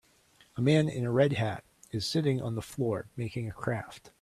A man in a red hat is sitting on the floor making a craft.